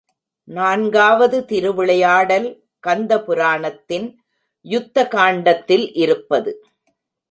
நான்காவது திருவிளையாடல், கந்த புராணத்தின் யுத்த காண்டத்தில் இருப்பது.